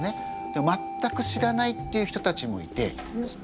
でも全く知らないっていう人たちもいて。